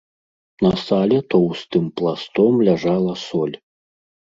На сале тоўстым пластом ляжала соль.